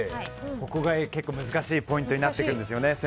ここが難しいポイントになってくるんですよね。